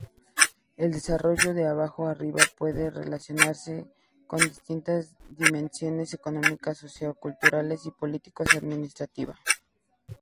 El desarrollo de abajo arriba puede relacionarse con distintas dimensiones: económica, sociocultural y político-administrativa.